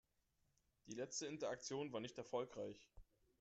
Die letzte Interaktion war nicht erfolgreich.